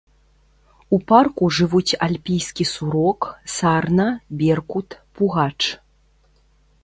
У парку жывуць альпійскі сурок, сарна, беркут, пугач.